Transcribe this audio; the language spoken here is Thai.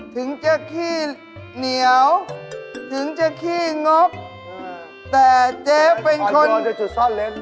ถึงจะขี้เหนียวถึงจะขี้งกแต่เจ๊เป็นคนอยู่ในจุดซ่อนเล้น